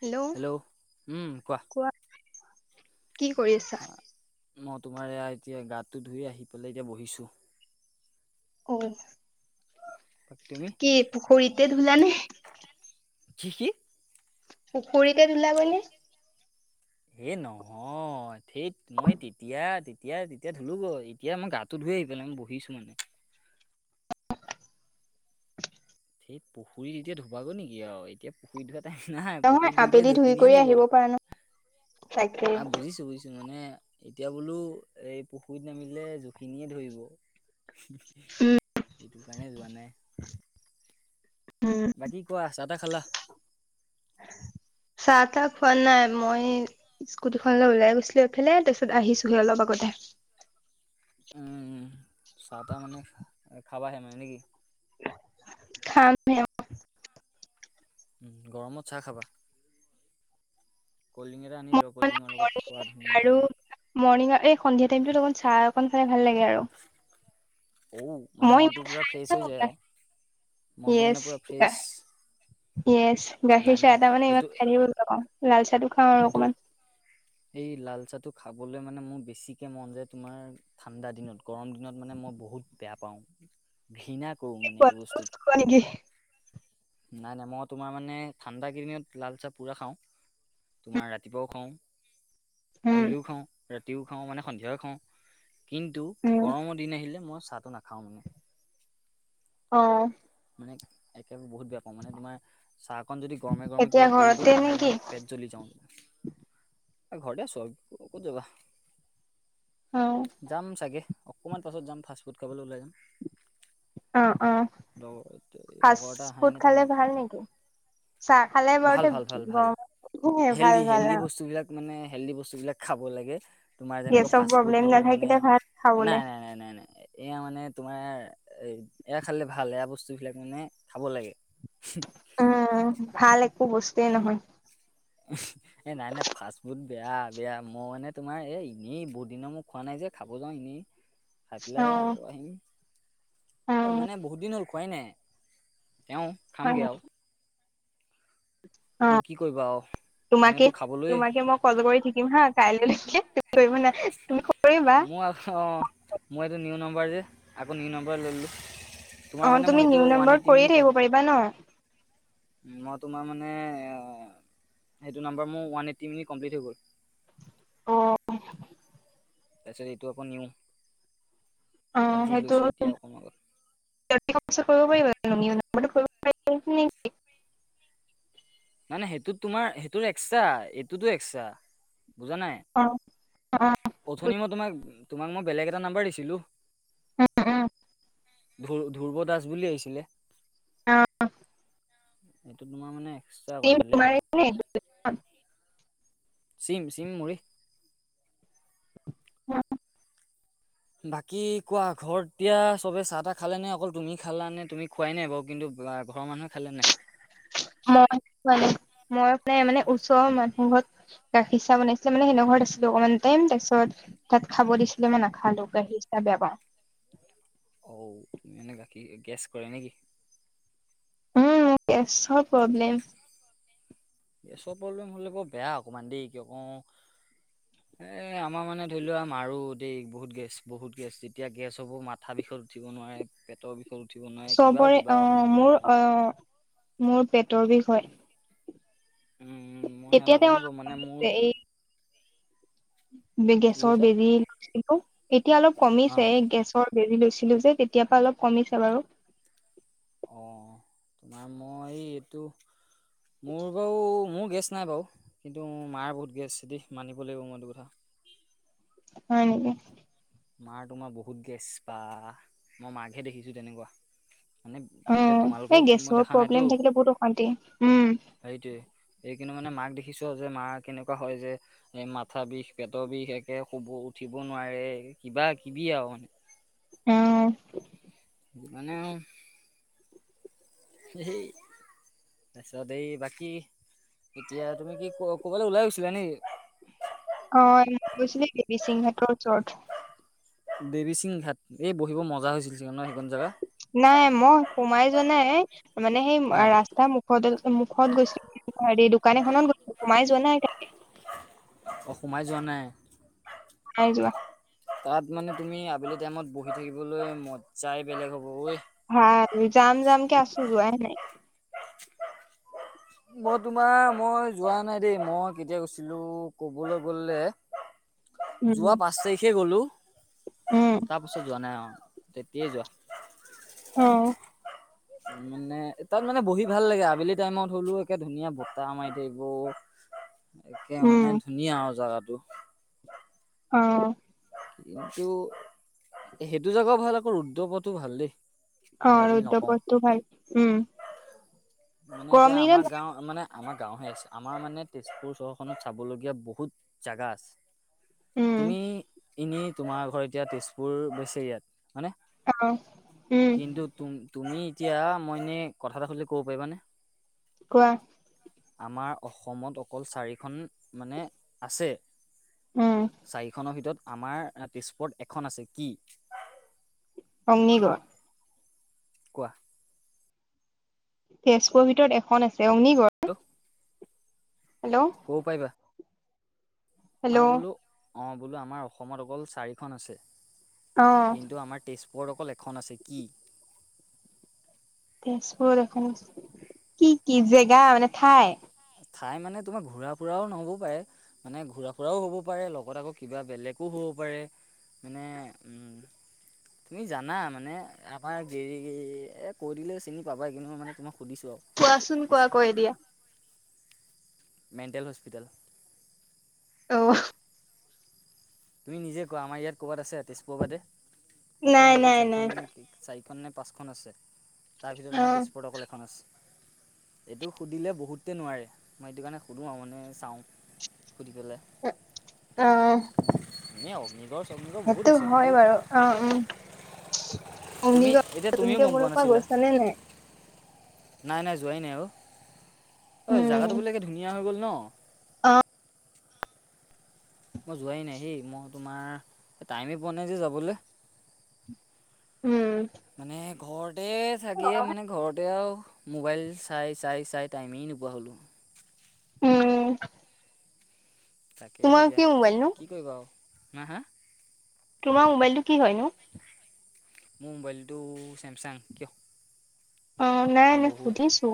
Hello হেল্ল'ম কোৱা। কি কৰি আছা? মই তোমাৰ এয়া এতিয়া গাতটো ধুই আহি পেলাই এতিয়া বহিছো। অ বাকী তুমি কি পুখুৰীতে ধূলা নে কি কি পুখুৰীতে দিলা গৈ নে? এহ নহয়‌ থেইত মই তেতিয়া এতিয়া তেতিয়া ধুলোঁগৈ এতিয়া মই গাটো ধুই আহি পেলাই বহিছোঁ মানে। সেই পুখুৰীত এতিয়া ধুবাগৈ নেকি আৰু এতিয়া পুখুৰীত ধোৱা টাইম নাই নহয় পুখুৰীত ধুলে আবেলি ধুই জখিনীয়ে কৰি নিব। আহিব পৰা নাই তাকে। অহ, বুজিছো বুজিছো মানে এতিয়া বোলো এই পুখুৰীত নামিলে জখিনিয়ে ধৰিব। সেইটো কাৰণে যোৱা নাই। উম। বাকী কোৱা চাহ-তাহ খালা? চাহ-তাহ খোৱা নাই মই স্কুটিখনলৈ ওলাই গৈছিলো এইফালে তাৰপিছত আহিছোহে অলপ আগতে। উ'ম চাহ তাহ মানে খাবাহে মানে নেকি? খাম হে আও উ গৰমত চাহ খাবা, কলিং আনি ল কলডিঙৰ লগত খোৱা ধুনীয়াকে। মৰ্ণিঙৰ এই সন্ধিয়া টাইমতো অকণ চাহ অকণ খালে ভাল লাগে আৰু। ঔ মানে মই ইমান মনটো পুৰা খাই ফ্ৰেছ হৈ যায় নাপাওঁ। আও? মনটো মানে পুৰা ফ্ৰেছ। ইয়েচ নাই গাখীৰ নাই চাহ এটা মানে সেইটো ইমান খাইথাকিব বেয়া পাওঁ, লাল চাহটো খাওঁ আৰু সেইটো অকমান। এই লাল চাহটো খাবলৈ মানে মোৰ বেছিকে মন যায় তোমাৰ ঠাণ্ডা দিনত, গৰম দিনত মানে মই বহুত বেয়া পাওঁ ঘৃণা কৌ মানে এইটো বস্তু। খোৱা নেকি? নাই নাই মই তোমাৰ মানে ঠাণ্ডা কেইদিনত লাল চাহ পুৰা খাওঁ তোমাৰ ৰাতিপুৱাও খাওঁ, উম আবেলিও খাওঁ, ৰাতিও খাওঁ, মানে সন্ধিয়া খাওঁ কিন্তু উম গৰমৰ দিন আহিলে মই চাহটো নাখাওঁ মানে। অ'হ। মানে একেবাৰে বহুত বেয়া পা মানে তোমাৰ চাহকন যদি গৰমে গৰমে এতিয়া কিবা পৰি ঘৰতে গ'ল মোৰ নেকি? মানে পেট জ্বলি যাওঁ। ঘৰতে আছো আৰু কত যাবা। অ'হ। যাম চাগে, অকণমান পাছত যাম ফাষ্টফুড খাবলৈ ওলাই যাম। অ, অ লগৰ লগৰ এটা অহাই ফাচফুড নাই তাক খালে মাতি ভাল নেকি? চাহ খালে ভাল বাৰুতে ভাল ভাল ভাল গৰম হেল্ডি ভাল ভাল হেল্ডি অহ। বস্তুবিলাক মানে হেল্ডি বস্তুবিলাক খাব লাগে তোমাৰ যেনেকা গেছৰ ফাষ্ট প্ৰব্লেম ফুডলৈ মানে নাথাকিলে ভাল খাবলে নাই, নাই, নাই, নাই, নাই এয়া মানে তোমাৰ এয়া খালে ভাল এয়া বস্তু বিলাক মানে খাব লাগে। হুও। উম, উম ভাল একো বস্তুৱে নহয়। উহ। এই নাই, নাই, ফাষ্ট ফুড বেয়া, বেয়া মই মানে তোমাৰ এই এনেই বহুত দিনৰ মই খোৱা নাই, যে খাব যাওঁ এনেই। [unintelligible] ঠাকলাই আকৌ আহিম। অ মানে বহুত দিন হ'ল খোৱাই নাই, তেওঁ হয় খামগে আও। অ কি কৰিব আউ। তোমাকে তোমাকে মই কল কৰি থাকিম হা কাইলৈলৈকে, তুমি কৰিব নালাগে, তুমি কৰিবা। আহ', অ'। মো এইটো নিউ নাম্বাৰ যে আকৌ নিউ নাম্বাৰ লৈ ললোঁ তোমাৰ মানে মোৰ সেইটো ওৱান এইটি মিনিট কমপ্লিট। থাকিবা ন? মই তোমাৰ মানে এ। সেইটো নাম্বাৰ মোৰ ওৱান এটটি মিনিট কমপ্লিট হয় গ'ল। অ'হ। তাৰপিছত এইটো আকৌ নিওঁ। অ হয়তো এতিয়া অকণ আগত কৰিব পাৰিবা। [unintelligible] [unintelligible] মানে সেইটোত তোমাৰ সেইটো এক্সট্ৰা এইটোতো এক্সট্ৰা। বুজা নাই অ অথনি মই তোমাক তোমাক মই বেলেগ এটা নাম্বাৰ দিছিলোঁ। উম উম ধ্ৰুৰ্ব দাস বুলি আহিছিলে। অ', এইটো তোমাৰ মানে‌, জিম তোমাৰ পিনে সেইটো। জিম জিম মই বাকী কোৱা ঘৰত এতিয়া চবে চাহ তাহ খালে নে অকল তুমি খালানে তুমি খোৱাই নাই বাৰু কিন্তু ঘৰৰ মানুহে খালে নাই? মই মানে মই প্ৰায় মানে ওচৰৰ মানুহক গাখীৰ চাহ বনাইছিলে মানে সিহঁতৰ ঘৰত আছিলোঁ অকনমান টাইম তাৰপিছত তাত খাব উম দিছিলে মই নাখালো গাখীৰ চাহ বেয়া পাওঁ। অ', তুমি এনে গাখীৰ গেছ কৰে নে কি? উম মোৰ গেছৰ পব্লেম‌। গেছৰ প্ৰব্লেম হলে ব বেয়া অকমান দেই কিয় কওঁ, [inaudible] এ আমাৰ মানে ধৰি লোৱা মাৰো দেই বহুত গেছ বহুত গেছ যেতিয়া গেছ হ'ব মাথা বিষত উঠিব নোৱাৰে। পেটৰ বিষত উঠিব নোৱাৰে কিবাও চবৰে কিবা মানে অ', কিবা মোৰ কিবি অ' মোৰ পেটৰ বিষ হয়। উম মই সেয়া এতিয়া তেওঁ নাজানো বাৰু অলপ মানে কমিছে মোৰ এই কি গেছৰ কৈছা বেজি লৈছিলো এতিয়া অলপ অ কমিছে গেছৰ - বেজি লৈছিলোঁ যে তেতিয়া পা অলপ কমিছে বাৰু অ', তোমাৰ মই এইটো মোৰ বাৰু মোৰ গেছ নাই বাৰু কিন্তু মাৰ বহুত গেছ দেই মানিব লাগিব মই এইটো কথা হয় নেকি? মাৰ তোমাৰ বহুত গেছ বা মই মাকহে দেখিছোঁ তেনেকুৱা। মানে অ এতিয়া এই তোমালোকক মই গেছৰ দেখা প্ৰব্লেম নাইতো থাকিলে বহুত অশান্তি উম সেইটোৱে, এই কিন্তু মানে মাক দেখিছো যে মা কেনেকুৱা হয় যে এ মাথা বিষ পেটৰ বিষ একে শুব উঠিব নোৱাৰে কিবা কিবি আৰু মানে অ', মানে আউ‌ সেই তাৰপিছত এই বাকী এতিয়া তুমি কি ক ক'বালৈ ওলাই গৈছিলা নেকি? অ', গৈছিলে দেৱীসিং ঘাটৰ ওচৰত। দেৱী সিং ঘাট এই বহিব মজা হৈছিল চাগে ন সেইখন জেগাত? নাই মই সোমাই যোৱা নাই মানে সেই অ ৰাস্তা মুখ মুখত গৈছিলোঁ হেৰি দোকান এখনত গৈছিলোঁ সোমাই যোৱা নাই তালে। অ', সোমাই যোৱা নাই? নাই যোৱা। তাত মানে তুমি আবেলি টাইমত বহি থাকিবলৈ মজাই বেলেগ হ'ব ঐ। ভা জাম জাম কে আছোঁ যোৱাই নাই। মই তোমাৰ মই যোৱা নাই দেই মই কেতিয়া গৈছিলোঁ ক'বলৈ গ'লে। [unintelligible] যোৱা পাঁচ তাৰিখে গ'লো উম তাৰ পাছত যোৱা নাই আউ তেতিয়াই যোৱা। অ', মানে তাত মানে বহি ভাল লাগে আবেলি টাইমত হ'লেও একে ধুনীয়া বতাহ মাৰি থাকিব। [inaudible] একে মানে উম ধুনীয়া আৰু জাগাটো। অ', এইটো সেইটো জাগাও ভাল আকৌ ৰুদ্ৰ পথতো ভাল দেই। বেয়া অ', বুলি নকওঁ ৰুদ্ৰপথটো ভাল উম মানে গৰম এতিয়া দিনত আমাৰ গাঁওত তাৰ মানে আমাৰ গাঁওহে আছে আমাৰ মানে তেজপুৰ চহৰখনত চাবলগীয়া বহুত জাগা আছে। উম তুমি এনে তোমাৰ ঘৰ এতিয়া তেজপুৰ গৈছে ইয়াত হয়নে হেল্ল উম। কিন্তু তুম তুমি এতিয়া মই এনে কথা এটা সুধিলে ক'ব পাৰিবানে? কোৱা? আমাৰ অসমত অকল চাৰিখন মানে আছে। উম চাৰিখনৰ ভিতৰত আমাৰ তেজপুৰত এখন আছে। কি? অগ্নিগড়। কোৱা? তেজপুৰ ভিতৰত এখন আছে অগ্নিগড়। ত হেল্ল' কব পাৰিবা? হেল্ল' আমাৰ বোলোঁ অ বোলোঁ আমাৰ অসমত অকল চাৰিখন আছে অ কিন্তু আমাৰ তেজপুৰ পুৰত অকল এখন আছে কি? তেজপুৰত এখন আছে কি কি জেগা মানে ঠাই? ঠাই মানে তোমাৰ ঘূৰা ফুৰাওঁ নহ'বও পাৰে। মানে ঘূৰা ফুৰাওঁ হ'ব পাৰে লগত আকৌ কিবা বেলেগো হ'ব পাৰে মানে উম [unintelligible] তুমি জানা মানে আমাৰ দেৰি কৈ দিলে চিনি পাবা কিন্তু মই মানে তোমাক সুধিছোঁ আৰু। কোৱাচোন তেজ কোৱা কৈ দিয়া। Mental hospital. অহ তুমি নিজে কোৱা আমাৰ ইয়াত ক'ৰবাত আছে তেজপুৰৰ বাদে নাই অসমত অকল নাই নাই চাৰিখন নে চাৰিখন নে পাঁচখন আছে তাৰ ভিতৰত আমাৰ অ', তেজপুৰত অকল এখন আছে। এইটো সুধিলে বহুতেই নোৱাৰে মই এইটো কাৰণে সুধোঁ আৰু মানে চাওঁ সুধি পেলাই। হয় এনেই অগ্নিগড় চগ্নিগড় বহুত সেইটো আছে কিন্তু। বাৰু অ উম তুমি অগ্নিগড় এতিয়া তুমিও নতুনকে গম বনোৱা পোৱা পৰা নাছিলা গৈছা নে নাই? নাই নাই যোৱাই নাই অ ঐ জাগাটো বোলে একে ধুনীয়া হৈ গ'ল ন। অহ। মই যোৱাই নাই সেই মই তোমাৰ টাইমেই পোৱা নাই যে যাবলে। উম। মানে ঘৰতে থাকিয়ে মানে ঘৰতে আৰু মোবাইল চাই চাই চাই টাইমেই নোপোৱা হ'লোঁ। উম। তাকেই তোমাৰ এতিয়া কি মোবাইল নো? কি কৰিবা আৰু হা হা। তোমাৰ মোবাইলটো কি হয় নো? মোৰ মোবাইলটো চেমচাং। কিয়? অ', নাই নাই বহুত সুধিছো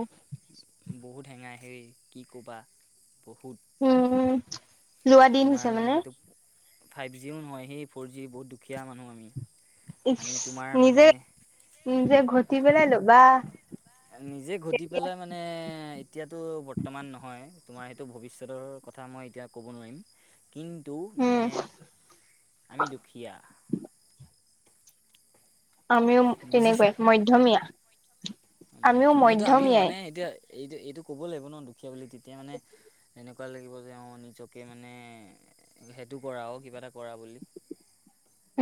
বহুত হেঙাই হে কি ক'বা বহুত। উম উম লোৱা দিন তোমাৰ হৈছে মানে। এইটো ফাইভ জিও নহয় সেই ফ'ৰ জি বহুত দুখীয়া মানুহ আমি। ইচ আমি তোমাৰ মানে নিজে নিজে ঘটি পেলাই ল'বা। নিজে ঘটি তেতিয়া পেলাই মানে এতিয়াতো বৰ্তমান নহয় তোমাৰ সেইটো ভৱিষ্যতৰ কথা মই এতিয়া ক'ব নোৱাৰিম কিন্তু উম, মানে আমি দুখীয়া। আমিও বুজিছা তেনেকুৱাই মধ্যমীয়া। আমিও মধ্যমীয়াটো আমিও মধ্যমীয়াই। মানে এতিয়া এইটো এইটো ক'ব লাগিব ন দুখীয়া বুলি তেতিয়া মানে এনেকোৱা লাগিব যে অ নিজকে মানে সেইটো কৰা অ কিবা এটা কৰা বুলি।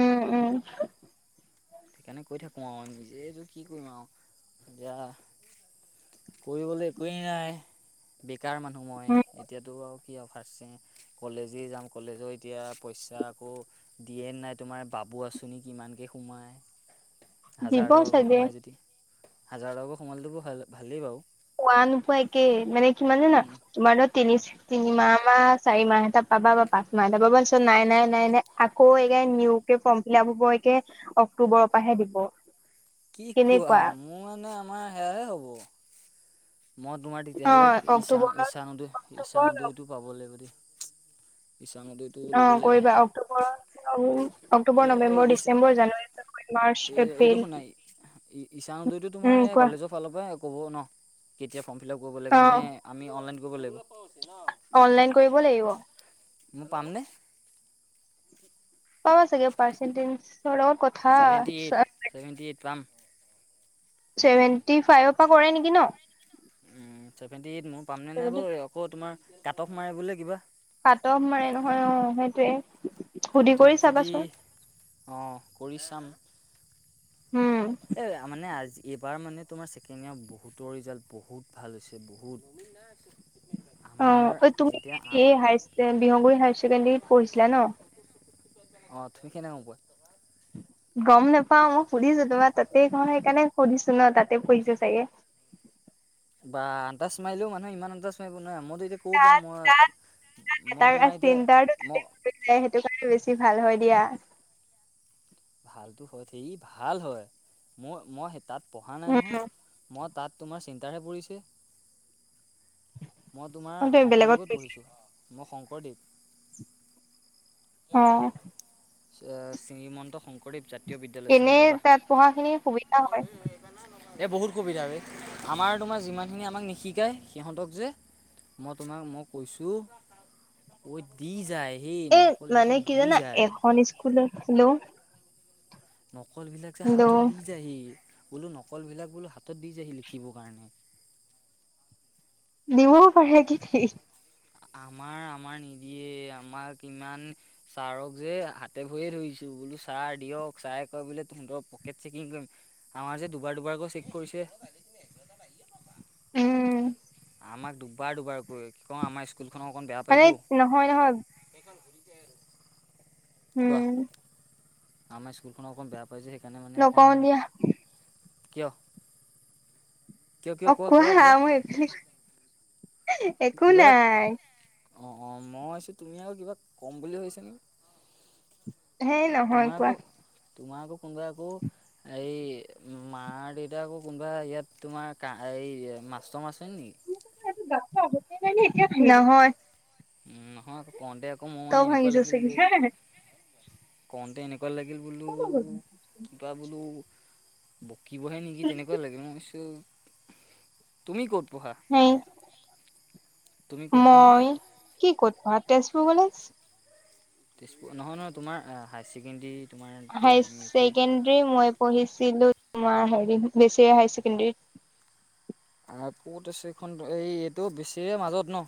উম উম হুহ। সেইকাণে কৈ থাকো আও নিজেই যে কি কৰিম আও এতিয়া কৰিবলে একোৱেই নাই বেকাৰ মানুহ মই উম, এতিয়াতো আও কি অফ আছে কলেজেই যাম কলেজৰ এতিয়া পইচা আকৌ দিয়ে নাই তোমাৰ বাবু আঁচনি কিমানকে সোমায়। দিব হাজাৰ টকাকো চাগে। সোমাই যদি হাজাৰ টকাকো সোমালেতো ভা ভালেই বাও। পোৱা নোপোৱা একেই মানে কিমান জানা তোমাৰ তাত তিনিচ তিনিমাহ মাহ চাৰিমাহ এটা পাবা বা পাঁচ মাহ এটা পাবা তাছত নাই নাই নাই নাই আকৌ এগেইন নিও কে ফৰ্ম ফিল আপ হব একে অক্টোবৰৰ পাহে দিব। কি কোৱা কেনেকুৱা মো মানে আমা সেয়া এ হ'ব। মই তোমাৰ অ তেতিয়াহলে ঈছা অক্টোবৰত ঈছানোদৈ অক্টোবৰ ঈছানোদৈটো পাব লাগিব দেই। ঈছানোদৈত অ কৰিবা অক্টোবৰত ওলাব নি অক্টোবৰ, এই এই নৱেম্বৰ, ঈশা December, January, February, March, April ই ঈছানোদৈতো উম তোমাৰ এয়া কোৱা কলেজৰ ফালৰ পৰাই ক'ব ন কেতিয়া ফৰ্ম ফিল আপ কৰিব অ লাগে নে আমি অনলাইন কৰিব লাগিব। অনলাইন কৰিব লাগিব। মই পাম নে? পাবা চাগে পাৰ্চেণ্টিচৰ লগত ক ছেভেণ্টি এইট ছেভেণ্টি এইট পাম। ছেভেণ্টি ফাইভ পা কৰে নেকি ন। উম চেভেণ্টি এইট মোৰ পামনে নাই চেভেন্টি বও আকৌ তোমাৰ কাটফ মাৰে বোলে কিবা। কাটফ মাৰে নহয় অ সেইটোৱে সুধি কৰি চাবাচোন। অ কৰি চাম। উম এইয়া মানে আজি এইবাৰ মানে তোমাৰ ছেকেনিয়ত বহুতৰ ৰিজাল্ট বহুত ভাল হৈছে বহুত। অ আমাৰ ঐ তুমি এতিয়া হেৰি এই হাইচ বিহংগৈ হাই ছেকেণ্ডেৰীত পঢ়িছিলা ন। অ তুমি কেনেকে গম পোৱা। গম নাপাও মই সুধিছো তোমাৰ তাতেই ঘৰ সেইকাণে সুধিছো ন তাতে পঢ়িছা চাগে। বা আন্টাছ মাৰিলেও মানুহে ইমান আন্টাছ মায়িব নোৱায় মইতো এতিয়া সৌ পা তাত ময়ত তাত মই তোমাৰ এতিয়া ম সেটোৱে সেটো কাৰণে বেছি ভাল হয় দিয়া। ভালটো হয় ধেয়ি ভাল হয় মই মই তাত পঢ়া নাই নহয়। উম মই তাত তোমাৰ চেন্তাৰহে পৰিছে। মই তোমাৰ তুমি বেলেগত শংকৰদেৱত পঢ়িছিলা পঢ়িছো অ মই শংকৰদেৱ। অ এ শ্ৰীমন্ত শং কৰদেৱ জাতীয় বিদ্যা এনেই তাত পঢ়া খিনি সুবিধা হয়। এ বহুত সুবিধা বে আমাৰ তোমাৰ যিমানখিনি আমাক নিশিকায় সিহঁতক যে- মই তোমাক মই কৈছো ঐ দি যায় সেই নকল বিলাক দি যায় অন স্কুললে হেল্ল' নকলবিলাক যে হাতত হেল্ল' দি যায়হি বোলো নকলবিলাক বোলো হাতত দি যায়হি লিখিবৰ কাৰণে দিবও পাৰে কি ঠিক আমাৰ আমাৰ নিদিয়ে আমাক ইমান ছাৰক যে হাতে ভৰিয়ে ধৰিছো বোলো ছাৰ দিয়ক ছাৰে কয় বোলে তোহঁত পকেট চেকিং কৰিম। আমাৰ যে দুবাৰ দুবাৰকৈ চেক কৰিছে। উম আমাক দুবাৰ দুবাৰকৈ কি কওঁ আমাৰ স্কুলখনক অকণ বেয়া মানে পায়তো। নহয় নহয় উম কোৱা আমাৰ স্কুলখন অকণ বেয়া কয় যে সেইকাণে মানে অকণ নকওঁ দিয়া কিয়? অ কোৱা মই এইফেলি একো নাই। অ অ মই ভাবিছো তুমি আৰু কিবা ক'ম বুলি ভাবিছা নেকি হেই নহয় তোমাৰ কোৱা। আকৌ তোমাৰ আকৌ কোনোবা আকৌ এই মা দেউতা আকৌ কোনোবা ইয়াত তোমাৰ কা এই মাষ্টৰ মাষ্টৰনী নেকি [unintelligible] নহয় নহয় আকৌ কওঁতে আকৌ ম মই তই এনেকুৱা ভাঙিছ লাগিল চাগে যে কওঁতে এনেকুৱা লাগিল বোলো কিবা বোলো বকিবহে নেকি তেনেকুৱা লাগে মই ভাবিছোঁ তুমি ক'ত পঢ়া সেই তুমি ক'ত পঢ়া? মই কি ক'ত পঢ়া তেজপুৰ কলেজ তেজপুৰ নহয় নহয় তোমাৰ হায়াৰ ছেকেণ্ডেৰী তোমাৰ হাই টেন মেট্ৰিক ছেকেণ্ডৰী মই পঢ়িছিলো তোমাৰ হেৰি বেচেৰি হাই ছেকেণ্ডৰীত আকৌ চেকখন এই এইটো বেছিৰি মাজত ন